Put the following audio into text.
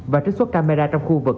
và trích xuất camera trong khu vực